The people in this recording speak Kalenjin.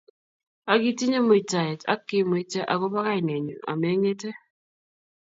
Ak itinye muitaet ak kiimuite agobo kainennyu, ameng'ete.